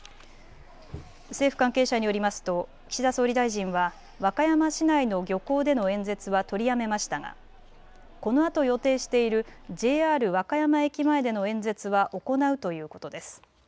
政府関係者によりますと岸田総理大臣は和歌山市内の漁港での演説は取りやめましたがこのあと予定しているＪＲ和歌山駅前での演説は行うということです。